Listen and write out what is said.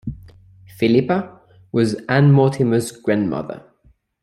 Philippa was Anne Mortimer's grandmother.